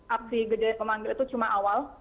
aksi gede pemanggil itu cuma awal